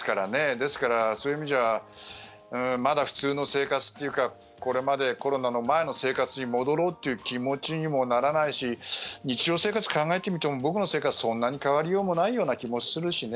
ですから、そういう意味じゃまだ普通の生活というかこれまでコロナの前の生活に戻ろうという気持ちにもならないし日常生活考えてみても僕の生活、そんなに変わりようもない気もするしね。